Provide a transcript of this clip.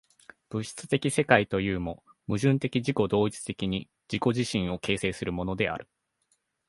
物質的世界というも、矛盾的自己同一的に自己自身を形成するものである。